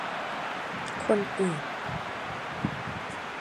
คนอื่น